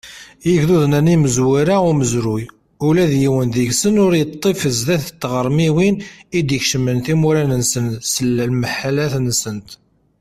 Igduden-a n imezwura umezruy, ula d yiwen deg-sen ur yeṭṭif sdat tɣermiwin i d-ikecmen timura-nsen s lemḥellat-nsent!